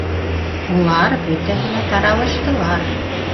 Улар бөтәһе лә таралыштылар.